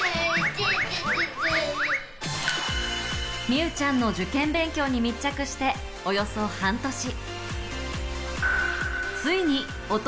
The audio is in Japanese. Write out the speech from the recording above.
美羽ちゃんの受験勉強に密着しておよそ半年。